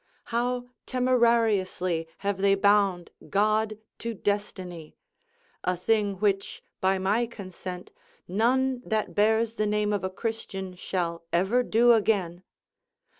How temerariously have they bound God to destiny (a thing which, by my consent, none that bears the name of a Christian shall ever do again)!